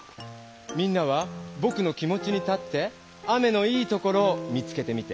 みんなはぼくの気持ちに立って雨の「いいところ」を見つけてみて。